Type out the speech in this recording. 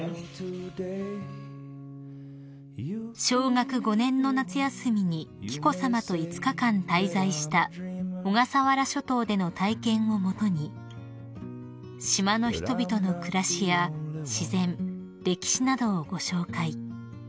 ［小学５年の夏休みに紀子さまと５日間滞在した小笠原諸島での体験を基に島の人々の暮らしや自然歴史などをご紹介］